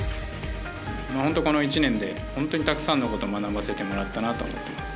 本当、この１年で本当にたくさんのことを学ばせてもらったなと思っています。